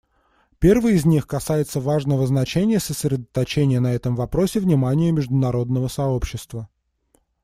Первый из них касается важного значения сосредоточения на этом вопросе внимания международного сообщества.